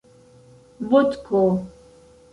vodko